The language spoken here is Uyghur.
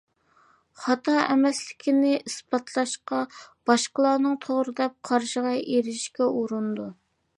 خاتا ئەمەسلىكىنى ئىسپاتلاشقا، باشقىلارنىڭ توغرا دەپ قارىشىغا ئېرىشىشكە ئۇرۇنىدۇ.